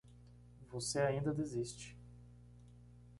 Você ainda desiste